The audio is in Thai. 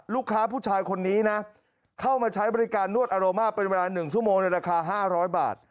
ลูกค้าผู้ชายคนนี้นะเข้ามาใช้บริการนวดอารม่าเป็นเวลา๑ชั่วโมงในราคา๕๐๐บาท